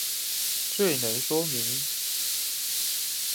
最能說明